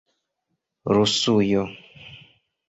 rusujo